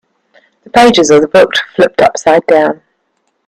The pages of the book flipped upside down.